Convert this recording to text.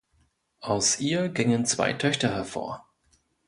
Aus ihr gingen zwei Töchter hervor.